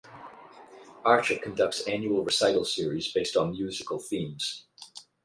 Archer conducts annual recital series based on musical themes.